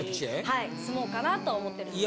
はい住もうかなと思ってるんです。